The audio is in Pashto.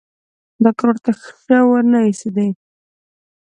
دا کار ورته شه ونه ایسېده.